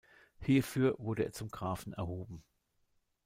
Hierfür wurde er zum Grafen erhoben.